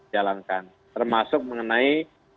jalankan termasuk mengenai